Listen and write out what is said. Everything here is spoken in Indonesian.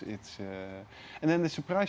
itu adalah mangrove